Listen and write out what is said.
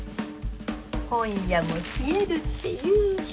今夜も冷えるっていうし。